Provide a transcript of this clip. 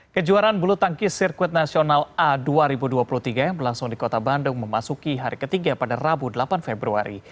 kejuaraan bulu tangkis sirkuit nasional a dua ribu dua puluh tiga yang berlangsung di kota bandung memasuki hari ketiga pada rabu delapan februari